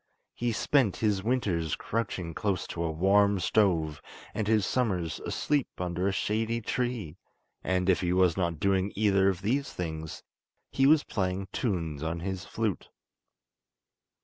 He spent his winters crouching close to a warm stove, and his summers asleep under a shady tree; and if he was not doing either of these things he was playing tunes on his flute.